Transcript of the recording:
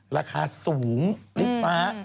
ราคาสูงลิฟต์ฟ้า